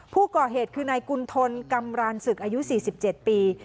ผู้ก่อเหตุคือนายกุณฑลกำรานศึกอายุ๔๗ปี